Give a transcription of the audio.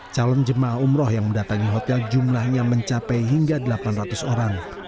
calon jemaah umroh yang mendatangi hotel jumlahnya mencapai hingga delapan ratus orang